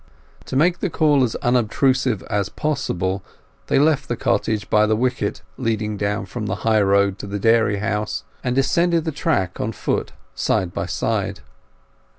To make the call as unobtrusive as possible, they left the carriage by the wicket leading down from the high road to the dairy house, and descended the track on foot, side by side.